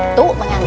tuh bangga ngaku